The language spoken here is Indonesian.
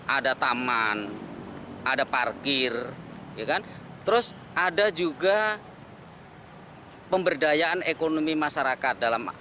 ada taman ada parkir terus ada juga pemberdayaan ekonomi masyarakat